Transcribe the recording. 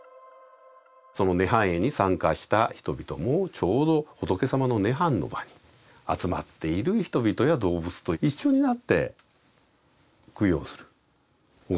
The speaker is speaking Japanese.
その涅槃会に参加した人々もちょうど仏様の涅槃の場に集まっている人々や動物と一緒になって供養する拝む